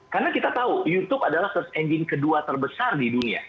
karena kita tahu youtube adalah search engine kedua terbesar di dunia ini